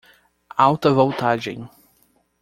Alta voltagem!